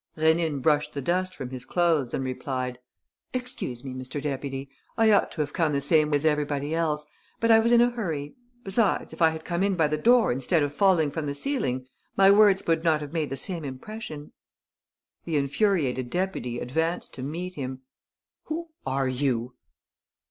Rénine brushed the dust from his clothes and replied: "Excuse me, Mr. Deputy. I ought to have come the same way as everybody else. But I was in a hurry. Besides, if I had come in by the door instead of falling from the ceiling, my words would not have made the same impression." The infuriated deputy advanced to meet him: "Who are you?"